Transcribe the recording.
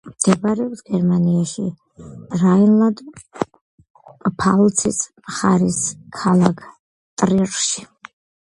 მდებარეობს გერმანიაში, რაინლანდ-პფალცის მხარის ქალაქ ტრირში.